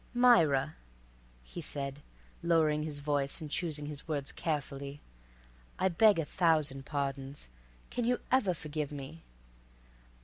"Myra," he said, lowering his voice and choosing his words carefully, "I beg a thousand pardons. Can you ever forgive me?"